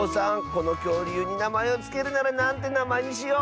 このきょうりゅうになまえをつけるならなんてなまえにしよう？